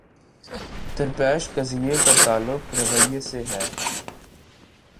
درپیش قضیے کا تعلق رویے سے ہے۔